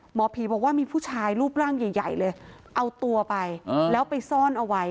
หมอผีบอกว่ามีผู้ชายรูปร่างใหญ่เลยเอาตัวไปแล้วไปซ่อนเอาไว้